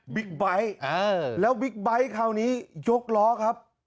ไบท์แล้วบิ๊กไบท์คราวนี้ยกล้อครับ